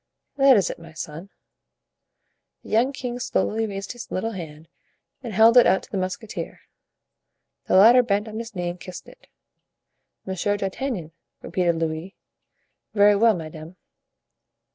"That is it, my son." The young king slowly raised his little hand and held it out to the musketeer; the latter bent on his knee and kissed it. "Monsieur d'Artagnan," repeated Louis; "very well, madame."